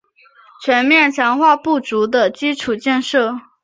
全面强化不足的基础建设